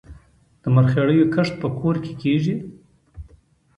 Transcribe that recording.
د مرخیړیو کښت په کور کې کیږي؟